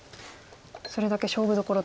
それだけ勝負どころと。